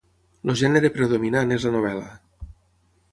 El gènere predominant és la novel·la.